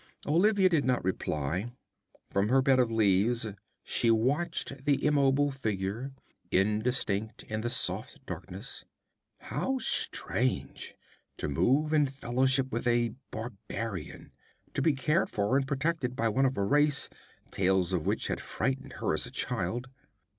Olivia did not reply. From her bed of leaves she watched the immobile figure, indistinct in the soft darkness. How strange, to move in fellowship with a barbarian, to be cared for and protected by one of a race, tales of which had frightened her as a child!